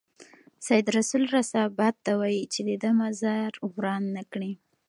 سید رسول رسا باد ته وايي چې د ده مزار وران نه کړي.